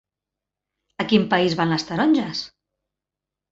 A quin país van les taronges?